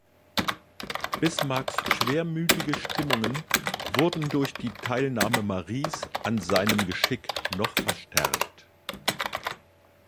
Bismarcks schwermütige Stimmungen wurden durch die Teilnahme Maries an seinem Geschick noch verstärkt.